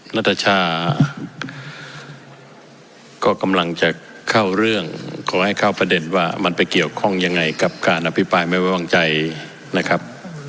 นัทชาก็กำลังจะเข้าเรื่องขอให้เข้าประเด็นว่ามันไปเกี่ยวข้องยังไงกับการอภิปรายไม่ไว้วางใจนะครับ